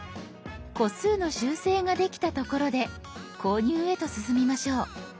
個数の修正ができたところで購入へと進みましょう。